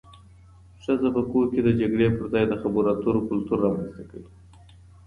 ښځه په کورنۍ کي د جګړې پر ځای د خبرو اترو کلتور رامنځته کوي